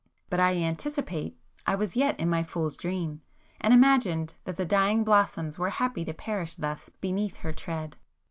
But I anticipate,—I was yet in my fool's dream,—and imagined that the dying blossoms were happy to perish thus beneath her tread!